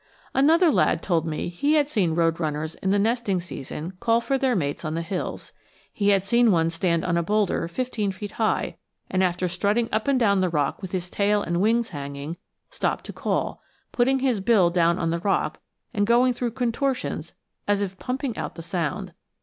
Another lad told me he had seen road runners in the nesting season call for their mates on the hills. He had seen one stand on a bowlder fifteen feet high, and after strutting up and down the rock with his tail and wings hanging, stop to call, putting his bill down on the rock and going through contortions as if pumping out the sound.